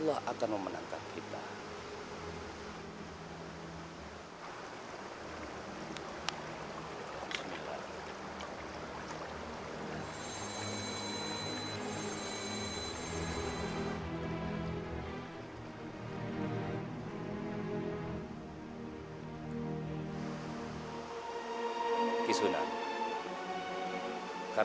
jika kita membantu agama allah